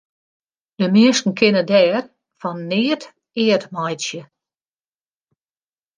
De minsken kinne dêr fan neat eat meitsje.